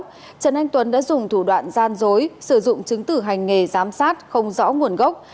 trần anh tuấn đã dùng thủ đoạn gian dối sử dụng chứng tử hành nghề giám sát không rõ nguồn gốc